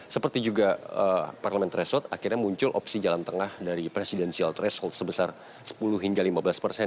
seperti juga parliamentary short akhirnya muncul opsi jalan tengah dari presidential threshold sebesar sepuluh hingga lima belas persen